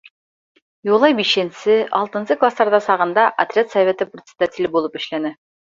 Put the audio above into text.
Юлай бишенсе, алтынсы кластарҙа сағында отряд советы председателе булып эшләне.